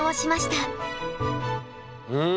うん？